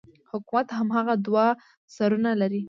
حکومت هماغه دوه سرونه لري.